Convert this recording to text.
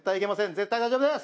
絶対大丈夫です！